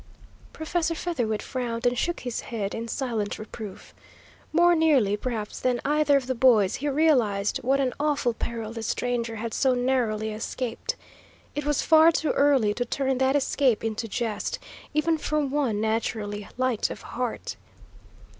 Professor Featherwit frowned, and shook his head in silent reproof. More nearly, perhaps, than either of the boys, he realised what an awful peril this stranger had so narrowly escaped. It was far too early to turn that escape into jest, even for one naturally light of heart.